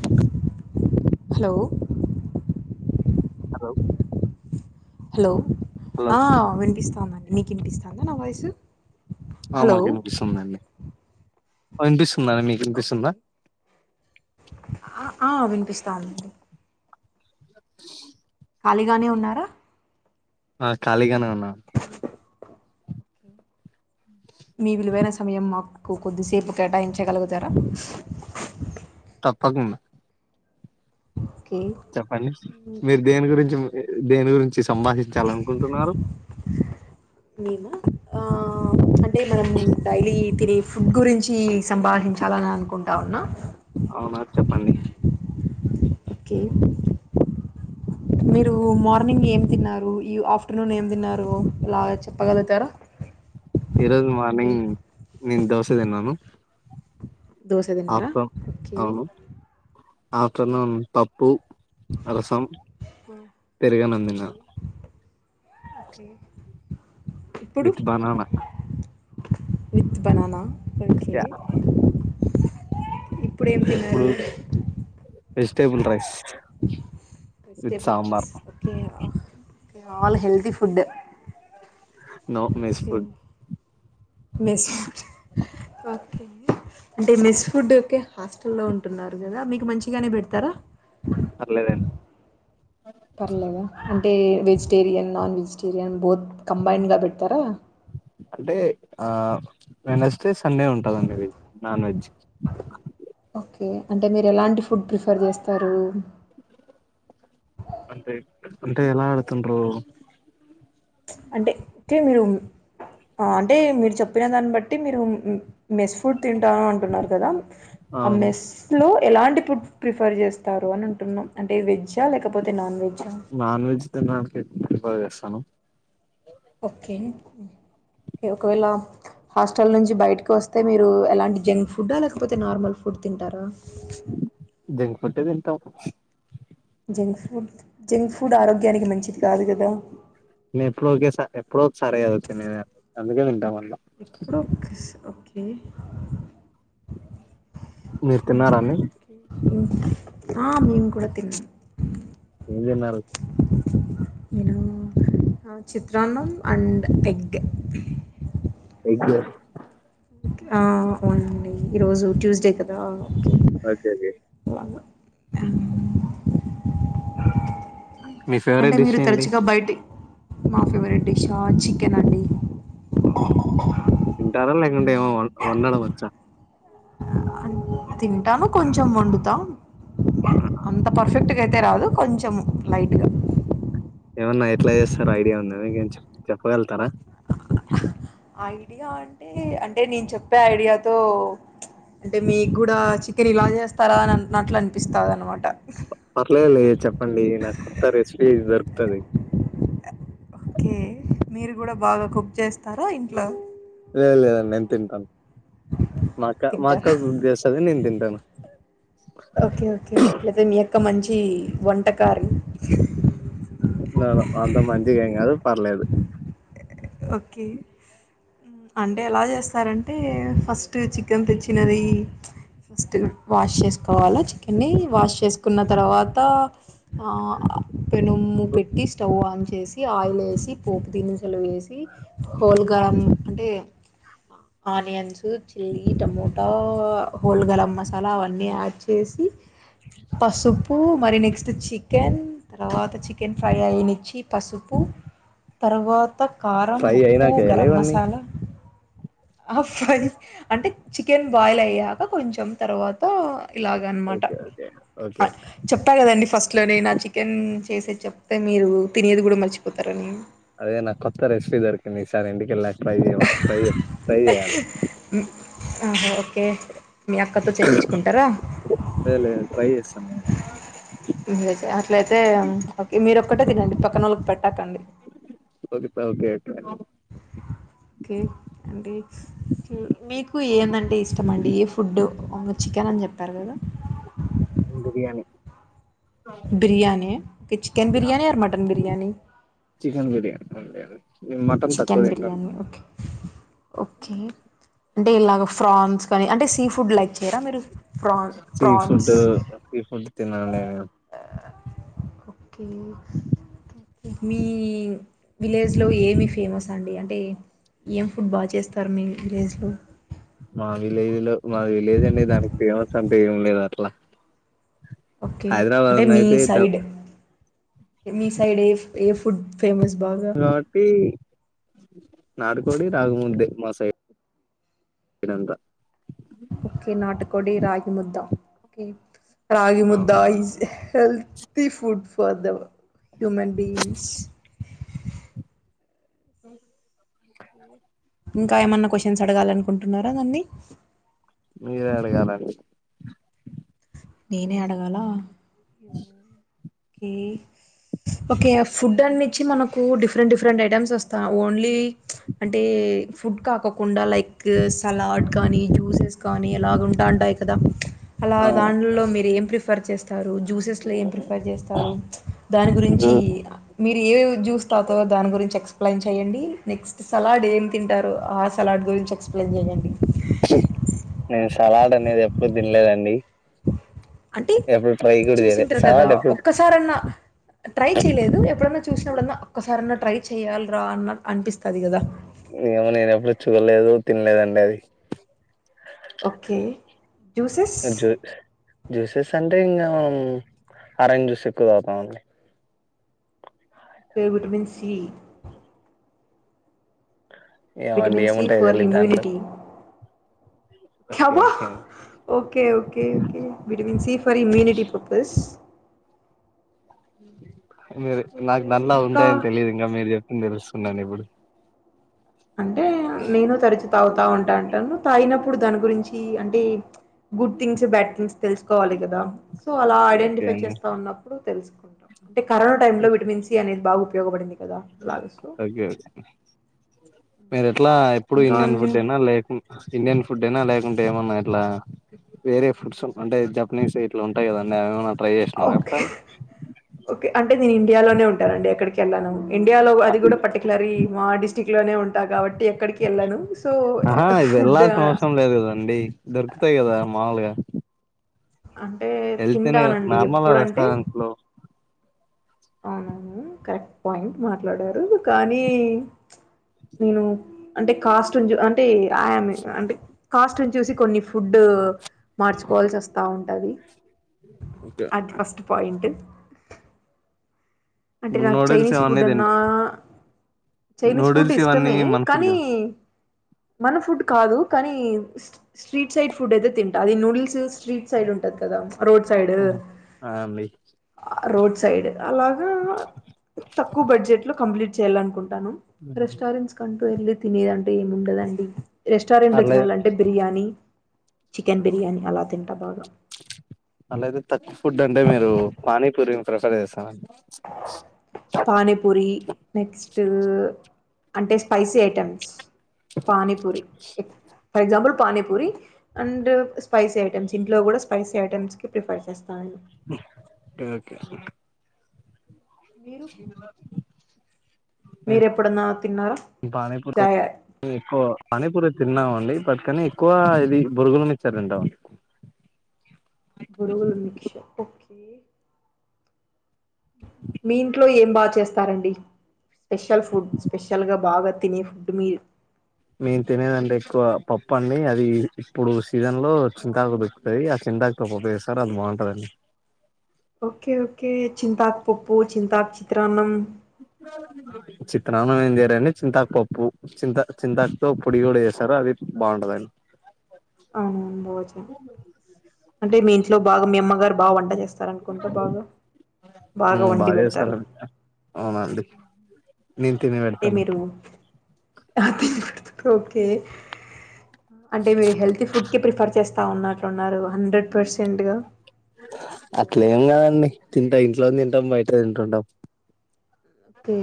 ఞ hello hello hello hello ఆ వినిపిస్తూ వస్తామండి మీకు ఇంపిస్తాందా నా వాయిసు ఆ హలో మాకు వినిపిస్తుంది అండి వినిపిస్ట్ మేడమ్ మీకు ఓకే వినిపిస్తుందా ఆ విన్ పిస్తాందండి [inaudible] ఖాళీగానే ఉన్నారా ఆ ఖాళీగానే ఉన్నా మీ విలువైన సమయం మాకు కొద్దిసేపు కేటాయించగలుగుతారా తప్పకుండ ఓకే చెప్పండి మీరు దేని గురించి దేని గురించి సంభాషించాలనుకుంటున్నారు మేమ ఆ టే మనం డైలీ తినే ఫుడ్ గురించి సంభాదించాలని అనుకుం అవున అవునా చెప్పండి ఓకే మీరు మార్నింగ్ ఏం తిన్నారు ఈ ఆఫ్టర్నూన్ ఏం తిన్నారు ఇలాగా చెప్పగలుగుతారా ఈరోజు అంటే మార్నింగ్ నేను దోసతిన్నాను దోస తీన్నారా ఓకే అవును ఆఫ్టర్నూన్ పప్పు రసం పెరుగన్నం తిన్న okay with banana with banana okay yeah ఇప్పుడు vegetable rice with vegetable sambar rice okay ఆ all healthy food no mess okay food mess food okay అంటే మెస్ ఫుడ్ హాస్టల్లో ఉంటున్నారు కదా మీకు మంచిగానే పెడతారా పర్లేదండి పర్లేద ఏ వెజిటేరియన్ నాన్ వెజిటేరియన్ బోత్ కంబైన్డ్గా పెడతారా అంటే ఆ వెనస్డే సండే ఉంటదండి వెజ్ నాన్ వెజ్ ఓకే అంటే మీరు ఎలాంటి ఫుడ్ ప్రిఫర్ చేస్తారు అంటే అంటే ఎలా అడుతుండ్రు అంటే మీరు అంటే మీరు చెప్పిన దాన్ని బట్టి మీరు మెస్ ఫుడ్ తింటాను అంటున్నారు కదా ఆ అవును మెస్ లో ఎలాంటి ఫుడ్ ప్రీఫర్ చేస్తారు అని అంటున్నా వెజ్ఙా లేకపోతే నాన్ వెజ్ నాన్ వెజ్ తినడానికే ఎ ఇ వ్యస్తాను [unintelligible] ఓకే ఒకవేళ హాస్టల్ నుంచి బయటకు వస్తే మీరు ఎలాంటి జంక్ ఫుడ్డా లేకపోతే నార్మల్ ఫుడ్ తింటారా జంక్ఫుడ్డే తింటాం జంక్ ఫుడ్ జంక్ ఫుడ్ ఆరోగ్య నేను ఎప్పుడో ఒకేస ఎప్పుడో ఒకేసారి కదా తినేది. అందుకే తింటామన్న ఇప్పుడు [unintelligible] ఓకే మీరు తిన్నారండి ఆ మేము కూడా తిన్నాం ఏం తిన్నారు నేనా చిత్రాన్నం అండ్ ఎగ్ ఇ [unintelligible] ఆ అవునండి ఈరోజు ట్యూస్డే కదా ఓకే ఓకే ఓకే అలాగా మీ అంటే ఫేవరెట్ డిష్ మీరు ఏంటి తరచుగా బయటి మా ఫేవరెట్ డిషా చికెన్ అండి ఓ హో తింటార లే వండడం వచ్చా అన్- తింటాను కొంచెం వండుతాం ఆహా అంత పర్ఫెక్ట్ అయితే రాదు కొంచెం లైట్గా ఏమన్నా ఎట్లా చేస్తారా ఐడియా ఉందా మా కేమి చెప్పగలుగుతారా ఐడియా అంటే అంటే నేను చెప్పే ఐడియాతో అంటే మీకు కూడా చికెన్ ఇలా చేస్తారా అని అన్నట్లు అనిపిస్తాదన్న మాట పర్లేదులే చెప్పండి నాకు కొత్త రే సిపి దొరుకుతాది ఓకే మీరు కూడా బాగా కుక్ చేస్తారా ఇంట్లో లేదు లేదండి నెన్ థింటన్ మాక్క మాక్క తింటారా కూకె చేష్ఠది నెన్ థింటా టాన్ ఓకే ఓకే అట్లైతే మీ అక్క మంచి చ్చి వంటకారి న అంత మంచిగా ఎమ్ కాదు పర్లేదు ఓకే ఉమ్ అంటే ఎలా చేస్తారంటే ఫస్ట్ చికెన్ తెచ్చినది ఫస్ట్ వాష్ చేసుకోవాలా చికెన్ని వాష్ చేసుకున్న తర్వాత పెనుము పెట్టి స్టవ్ ఆన్ చేసి చేసి ఆయిల్ వేసి పోపు దినుసులు వేసి సి హోల్ గరం అంటే onions chilli tomato whole garam masala అవన్నీ యాడ్ చేసి పసుపు మరి నెక్స్ట్ చికెన్ తర్వాత చికెన్ ఫ్రై అయినిచ్చి పసుపు తర్వాత కారం ఫ్రై ఉప్పు అయినాకేయాల గరం ఇవన్నీ మసాలా ఆ ఫ్రై అంటే చికెన్ బాయిల్ అయ్యాక కొంచెం తర్వాత ఇలాగ అనమాట ఓకే ఓకే ఓకే చెప్పా కదండి ఫస్ట్ లో నేను ఆ చికెన్ చేసే చెప్తే మీరు తినేది కూడా మర్చిపోతారని అదే నా కొత్త రెసిపీ దొరికింది ఈ సారి ఇంటికిళ్లా ట్రై చేయవా ట్రై ట్రై చెయాలి ఆహా ఓకే మీ అక్కతో చెప్పించుకుంటార బాదం మీరతే అట్లయితే ఓకే మీరొక్కటే తినండి పక్కనోళ్లకి పెట్టకండి ఓక పెల్ పెటాను ఓకే అంటే మీకు ఏందంటే ఇష్టమ అండి ఏ ఫుడ్ చికెన్ అని చెప్పారు కదా biryani biryani chicken biryani or mutton biryani [unintelligible] నెన్ మటన్ తక్కువతింట ఓకే ఓకే డేలాగా ఫ్రాన్స్ కానీ అంటే సీ ఫుడ్ లైక్ చేయరా మీరు ప్రాన్ ప్రాన్స్ తిన్నానండీ నేను ఓకే మీ విలేజ్లో ఏమి ఫేమస్ అండి అంటే ఏం ఫుడ్ బాగా చేస్తారు మీ విలేజ్లో మా విలేజ్ లో మా విలేజ్ అండి దానికి ఫేమస్ అంటే ఏం లేదు అట్లా ఓకే హైదరాబాద్ అంటే లో మీ అయితే సైడ్ మీ సైడ్ ఏ ఏ ఫుడ్ ఫేమస్ బాగా లోటిీ నాటుకోడి రాగుముద్దే మా సైడ్ సైడ్ంత ఓకే నాటికోడి రాగి ముద్దా రాగి ముద్దా అవును ఇస్ హెల్ తి food for the human beings మ్మ్ [inaudible] ఇంకా ఏమన్నా క్వశ్చన్స్ అడగాల అనుకుంటున్నారా నన్ని మీరే అడగాలండి నేనే అడగాల ఓకే ఓకే ఫుడ్ అన్నించి మనకు డిఫరెంట్ డిఫరెంట్ ఐటమ్స్ వస్తా ఓన్లీ అంటే ఫుడ్ కాకోకుండా లైక్ సలాడ్ కానీ జ్యూసెస్ కానీ ఎలాగ ఉంటా ఉంటాయి కదా అలా అవును దాన్లో మీరు ఏం ఫ్రీ రిఫర్ చేస్తారు జూసెస్ లో ఏం ప్రిప ర్ చేస్తారు దాని గురించి జ్యూస్ మీరు ఏ ఏ జ్యూస్ తాగుతారో దాని గురించి ఎస్ ఎక్స్ప్లెయిన్ చేయండి నెక్స్ట్ సలాడ్ ఏం తింటారు ఆ సలాడ్ గురించి ఎక్స్ప్లెయిన్ చేయండి నేను సలాడ్ అనేది ఎప్పుడు తినలేదండి అంటే ఎప్పుడు ట్రై కూడా చేయలేదు చూసింటారు కదా సలాడ్ ఎప్పుడు ఒక్కసారన్న ట్రై చేయలేదు ఎప్పుడన్నా చూసినప్పుడన్నా ఒక్కసారన్నా ట్రై చెయాలి రా అన్న అనిపిస్తది అది కదా ఏమో నేన ఎప్పుడు చూడలేదు తినలేదండి అది ఓకే జ్యూసెస్ జ్యూ జ్యూసెస్ అంటే ఇంకా ఆరెంజ్ జ్యూస్ ఎక్కవ తగుతం అండి కే విటమిన్ సి ఏమండి విటమిన్ ఏముంటా ఇలిద్దా దాంట్లో ఓకే అబ్బా ఓకే అండి, okay okay okay vitamin C for immunity purpose ఉ మీరు నాకు నల్లా ఇంకా ఉంటాయని తెలియదు ఇంకా మీరు చెప్పంది తెలుస్తున్నాను ఇప్పుడు అంటే నేను తరచు తాగుతా ఉంటా అంటాను తాగినప్పుడు దాని గురించి అంటే గుడ్ థింగ్స్ బ్యాడ్ థింగ్స్ తెలుసుకోవాలి కదా సో అలా ఓకే ఓకే ఐడెంటిఫై అండి చేస్తా ఉన్నప్పుడు తెలుసుకుంటాం అంటే కరోనా టైమ్ లో విటమిన్ సి అనేది బా ఉపయోగపడింది కదా! అలాగ సో, ఓకే ఓకే మీరె అట్లా ఎప్పుడు ఇంకా ఇండియన్ అండి ఫుడ్డే నా లేకున్ ఇండియన్ ఫుడ్డేన లేకున్ అంటే ఏమన్నా ఇట్లా వేరే ఫుడ్స్ అంటే జపనీస్ ఇట్లా ఉంటాయి కదండి అవి ఏమన్న ఓకే ఓకే అంటే నేను ఇండియాలోనే ఉంటానండి ఎక్కడికి ఎళ్ళను ఇండియాలో అది కూడా పర్టికులరీ మా డిస్టి స్టిక్ లోనే ఉం ఆహా ఇ ఫుడ్ వెళ్ళాల్సిన అవసరం లేదు కదండి దొరుకుతాయి కదా మామొలుగా అంటే హల్తీ నే కదా తింటానండి. నార్మల్ ఎప్పుడంటే రెస్టారెంట్ లో అవునవును కరెక్ట్ పాయింట్ మాట్లాడారు కానీ నేను అంటే కాస్ట్ అంటేమ్ అంటే కాస్ట్ని చూసి కొన్ని ఫుడ్ మార్చుకోవాల్సి వస్తా ఉంటుంది అది ఫస్ట్ పాయింట్ అంటే నాకు నూడిల్స్ చైనీస్ ఇవన్నీ ఫుడ్ తింట అన్నా చైనీస్ ఫుడ్ నూడిల్స్ ఇవన్నీ ఇష్టమే మన ఫుడ్ కానీ గా మన ఫుడ్ కాదు కానీ స్ట్రీట్ సైడ్ ఫుడ్ అయితే తింటా అది నూడిల్స్ స్ట్రీట్ సైడ్ ఉంటది కదా రోడ్ సైడ్ ఆ అండి రోడ్ సైడ్ అలా తక్కువ బడ్జెట్ లో కంప్లీట్ చేయాలనుకుం టాను రెస్టారెంట్స్ కంటూ ఎళ్లీ తినేదంటే ఏముండదండి రెస్టారెంట్ లో అలా తినాలంటే బిర్యానీ చికెన్ బిర్యానీ అలా తింటా బాగా అలా అయితే తక్కువ ఫుడ్ అంటే మీరు పానీపూరిని ప్రిఫర్ చేస్తార పానీపూరి నెక్స్టు అంటే స్పైసీ ఐటమ్స్ పానీపూరి ఎ for example panipuri and spicy items ఇంట్లో కూడా స్పైసీ ఐటెమ్స్కి ప్రిఫర్ చేస్తాను నేను ఓకే ఓకే మీరు మీరు ఎప్పుడన్నా తిన్నారా నేను పానీపూర్కి జాయ ఎక్కువ పానీపూర్ తిన్నామండి వాటికన్నా ఎక్కువ ఇది బొరుగులు మిచ్చెర తింటామండి బొరుగులు మిక్చర్ ఓకే మీ ఇంట్లో ఏ బాగా చేస్తారండి స్పెషల్ ఫుడ్ స్పెషల్ గా బాగా తినే ఫుడ్ మీరు నేను తినేదంటే ఎక్కువ పప్పు అండి అది ఇప్పుడు సీజన్ లో చింతాకు దొరుకుతది ఆ చింతాకుతో పప్పు వేస్తారు అది బాగుంటదండి ఓకే ఓకే చింతాకు పప్పు చింతాకు చిత్రాన్నం చిత్రాన్నం ఏం చేయరండి చింతాకు పప్పు చింతా చింతాకు తో పొడి కూడా చేస్తారు అది కూడా బాగుంటది అండి అవును [unintelligible] అంటే మీ లో బాగా మీ అమ్మ గారు బా వంట చేస్తారు అనుకుంటా బాగా ఉమ్ వండి బాగా పెడతారు చేస్తారండి అవునండి నేను తిని పెడతాను బాగా తిని పెడతారు ఓకే అంటే మీరు హెల్తీ ఫుడ్కే ప్రిఫర్ చేస్త ఉన్నాట్ ఉన్నారు హండ్రెడ్ పర్సెంట్ గా అండి తింటాం ఇంట్లోనే తింటాం బయట తింటుంటాం ఓకే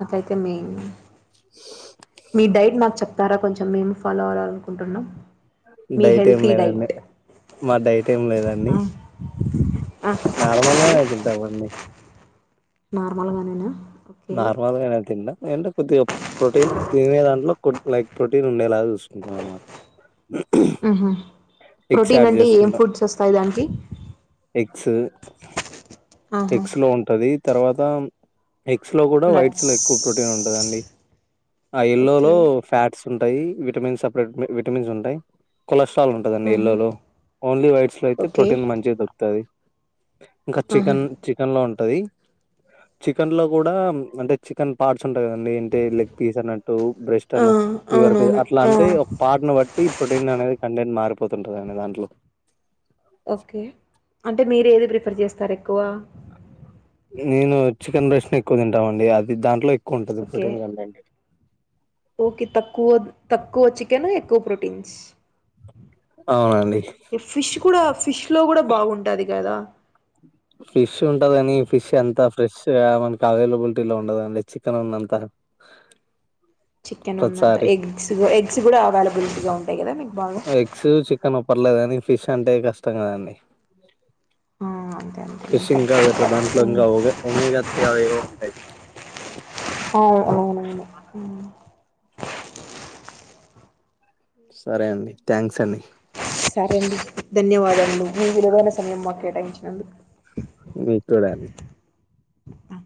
నాకైతే మీ మీ డైట్ నాకు చె ప్తారా కొంచెం మేము ఫాలో అవ్వాలనుకుంటున్నాం మీ డైట్ ఏం హెల్తీ లేదండి డైట్ మా డైట్ ఏం లేదండి ఆ నార్మల్ గానే తింటామండి నార్మల్గా నేనా నార్మల్గానే తింట ఏమంటే కొద్దిగా ప్రోటీన్ తినే దాంట్లో లైక్ ప్రోటీన్ ఉండేలా చూసుకుంటాం అనమాట ఉహూ ఎగ్స్ ప్రోటీన్ యాడ్ అంటే ఏం చేసుకుంటాం ఫుడ్స్ వస్తాయి దానికి ఎగ్స్ ఆహా ఎగ్స్ లో ఉంటది తర్వాత ఎగ్స్ లో కూడా వైట్స్ నట్స్ లో ఎక్కువ ప్రోటీన్ ఉంటదండి ఆ ఇల్లోలో ఓకే ఫ్యాట్స్ ఉంటాయి విటమిన్స్ సపరేట్ విటమిన్స్ ఉంటాయి కొలస్ట్ర కొలెస్ట్రాల్ ఉంటుదండి ఎల్లో ఆహా లో ఓన్లీ వైట్స్ లో అయితే ఓకే ప్రోటీన్ మంచిగా దొరుకుతది ఇంకా ఆహా చికన్ ఉంటది చికెన్ లో కూడా అంటే చికెన్ పార్ట్ ఉంటాయి కదండి లెగ్ పీస్ అన్నట్టు బ్రెస్ట్ ఆ అన్నట్టు లివర్ పీస్ అవునవును అట్లా ఆ అంటే ఒక పార్ను బట్టి ప్రొటీన్ అనేది కంటెంట్ మారిపో పోతుంటారు కదండీ దాంట్లో ఓకే అంటే మీరు ఏది ప్రిఫర్ చేస్తారు ఎక్కువ నేను చికెన్ రెస్న్ ఎక్కువ తింటామండి అది దాంట్లో ఉంటుంది ప్రోటీన్ కంటెంట్ ఓకి తక్కువ తక్కువ చికెన్ ఎక్కువ ప్రోటీన్స్ అవునండి ఫిష్ కూడా ఫిష్ లో కూడా బాగుంటాది కదా ఫిష్ ఉంటదని ఫిష్ ఎంత ఫ్రెష్ మనకి అవైలబిలిటీలో ఉండదండి చికెన్ ఉన్నంత చికెన్ ఉన్నంత ప్రతిసారి ఎగ్స్ ఎగ్స్ కూడా అవైలబిలిటీ గా ఉంటు ఎగ్స్ చికెన్ అ పర్లేదు కాని ఫిష్ అంటే కష్టం కదండి ఆ అంతే అంతే ఫిష్ ఇంకా కరెక్ట్ బెటర్ దాంట్లో ఇంకా ఒ ఒమేగా త్రీ అవి ఏవో ఉంటాయి అ సరే అండి థ్యాంక్స్ అండి సరే అండి ధన్యవాదండి మీ విలువైన సమయం మాకే కేటాయించినందుకు మీకు కూడా త